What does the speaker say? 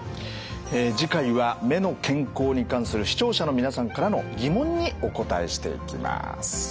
え次回は目の健康に関する視聴者の皆さんからの疑問にお答えしていきます。